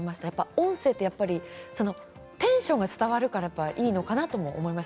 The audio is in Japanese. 音声ってやっぱりテンションが伝わるからいいのかなとも思います。